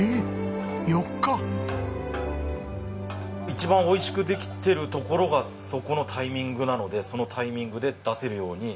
一番美味しくできてるところがそこのタイミングなのでそのタイミングで出せるように。